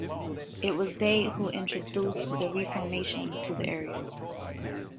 It was they who introduced the Reformation to the area.